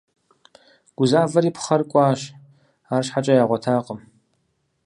Гузавэри пхъэр кӀуащ, арщхьэкӀэ ягъуэтакъым.